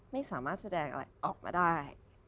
ไม่สามารถแสดงอะไรออกมาได้